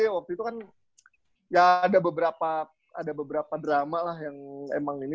waktu itu kan ya ada beberapa drama lah yang emang ini